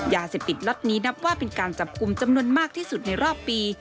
ยาเสพติดล็อตนี้นับว่าเป็นการจับกลุ่มจำนวนมากที่สุดในรอบปี